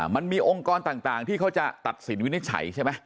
มันมีองค์กรต่างที่เขาจะตัดสินวินิจฉัยใช่ไหม